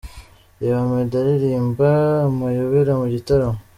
Reba Meddy aririrmba ’Amayobera’ mu gitaramo:.